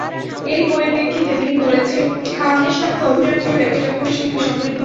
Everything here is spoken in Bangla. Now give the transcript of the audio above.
এরই পরিপ্রেক্ষিতে তিনি বলেছেন, খানদের সঙ্গে অভিনয় করলে যেকোনো শিল্পী সমৃদ্ধ হবেন।